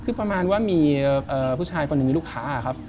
คือประมาณว่ามีผู้ชายคนหนึ่งมีลูกค้าครับ